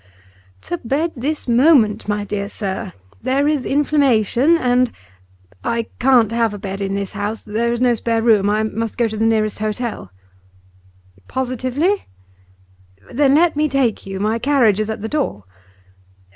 'Tut, tut, tut! To bed this moment, my dear sir! There is inflammation, and ' 'I can't have a bed in this house; there is no spare room. I must go to the nearest hotel.' 'Positively? Then let me take you. My carriage is at the door.